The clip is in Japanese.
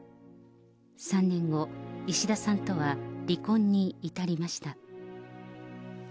３年後、石田さんとは離婚に至りました。